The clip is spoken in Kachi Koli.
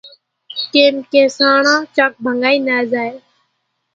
ڪيمڪي سانڻان چانڪ ڀنڳائي نا زائي